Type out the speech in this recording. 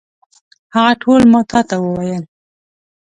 هغه ټول ما تا ته وویل.